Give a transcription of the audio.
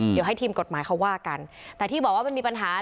เดี๋ยวให้ทีมกฎหมายเขาว่ากันแต่ที่บอกว่ามันมีปัญหา